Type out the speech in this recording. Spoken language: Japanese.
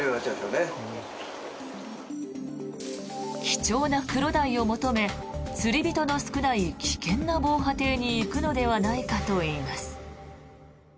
貴重なクロダイを求め釣り人の少ない危険な防波堤に行くのではないかといいます。